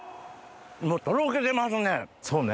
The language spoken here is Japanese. もうとろけてますね。